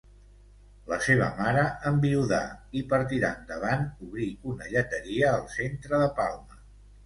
La seva mare enviudà i per tirar endavant obrí una lleteria al centre de Palma.